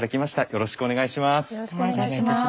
よろしくお願いします。